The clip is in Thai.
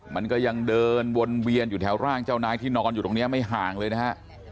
มันก็ยังเดินวนเวียนอยู่แถวร่างเจ้านายที่นอนอยู่ตรงนี้ไม่ห่างเลยนะฮะ